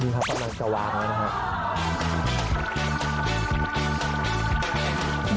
มีครับตำนานเฉวานแล้วนะครับ